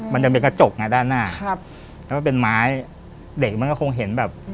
มันจะมีกระจกไงด้านหน้าครับแล้วมันเป็นไม้เด็กมันก็คงเห็นแบบ